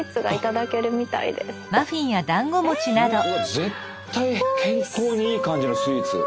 絶対健康にいい感じのスイーツ。